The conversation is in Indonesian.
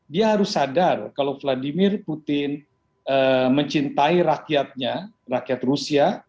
dia harus sadar kalau vladimir putin mencintai rakyatnya rakyat rusia